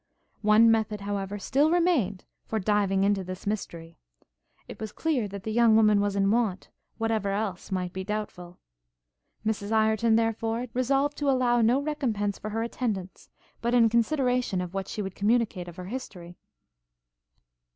One method, however, still remained for diving into this mystery; it was clear that the young woman was in want, whatever else might be doubtful. Mrs Ireton, therefore, resolved to allow no recompense for her attendance, but in consideration of what she would communicate of her history.